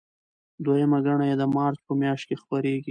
دویمه ګڼه یې د مارچ په میاشت کې خپریږي.